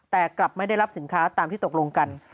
แต่กลับไม่ได้รับสินค้าตามที่ตกลงกัน